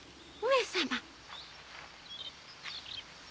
上様。